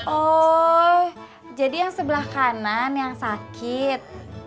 oh jadi yang sebelah kanan yang sakit